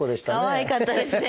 かわいかったですね